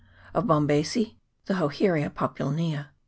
Of BombacecB, the Hoheria populnea.